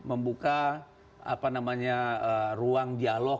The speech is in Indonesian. membuka apa namanya ruang dialog